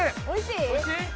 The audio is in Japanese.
おいしい！